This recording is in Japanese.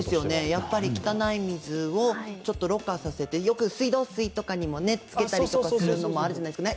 やっぱり汚い水をろ過させて、よく水道水とかにもつけたりとかするのもあるじゃないですか。